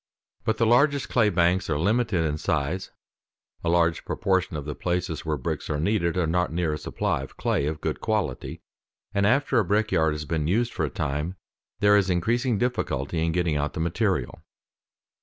But the largest clay banks are limited in size; a large proportion of the places where bricks are needed are not near a supply of clay of good quality; and after a brick yard has been used for a time there is increasing difficulty in getting out the material.